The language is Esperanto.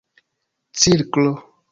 cirklo